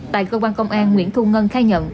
tại cơ quan công an nguyễn thu ngân khai nhận